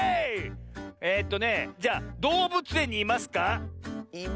えとねじゃあどうぶつえんにいますか？